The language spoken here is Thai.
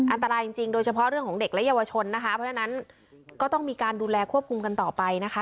อันตรายจริงโดยเฉพาะเรื่องของเด็กและเยาวชนนะคะเพราะฉะนั้นก็ต้องมีการดูแลควบคุมกันต่อไปนะคะ